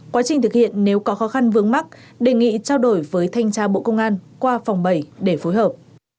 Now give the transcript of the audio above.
quá trình thực hiện nếu có khó khăn vướng mắt đề nghị trao đổi với thanh tra bộ công an qua phòng bảy để phối hợp